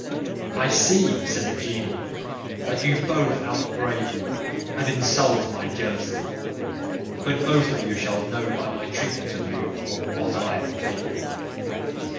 "I see," said the genie, "that you both out brave me, and insult my jealousy; but both of you shall know by my treatment of you of what I am capable."